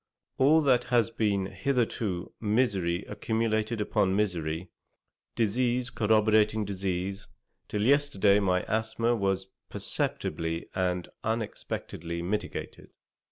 All has been hitherto misery accumulated upon misery, disease corroborating disease, till yesterday my asthma was perceptibly and unexpectedly mitigated.